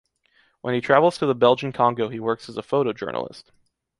When he travels to the Belgian Congo he works as a photojournalist.